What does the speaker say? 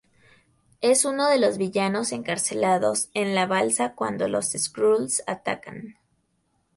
Es uno de los villanos encarcelados en la balsa cuando los Skrulls atacan.